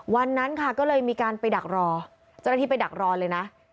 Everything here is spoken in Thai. วันนั้นค่ะก็เลยมีการไปดักรอเจ้าหน้าที่ไปดักรอเลยนะ